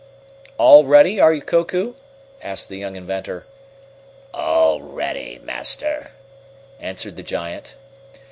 "All ready, are you, Koku?" asked the young inventor. "All ready, Master," answered the giant.